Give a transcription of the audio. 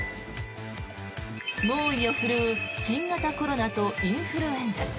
猛威を振るう新型コロナとインフルエンザ。